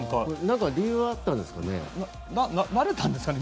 理由はあったんですかね？